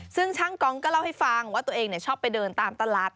ซึ่งช่างกองก็เล่าให้ฟังว่าตัวเองชอบไปเดินตามตลาด